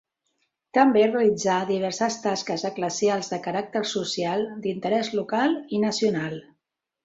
També realitzà diverses tasques eclesials de caràcter social, d'interès local i nacional.